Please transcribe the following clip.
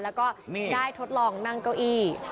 แล้วก็ได้ทดลองนั่งเก้าอี้